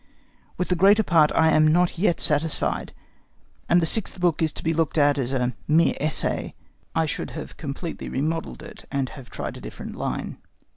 With the greater part I am not yet satisfied; and the sixth book is to be looked at as a mere essay: I should have completely remodelled it, and have tried a different line.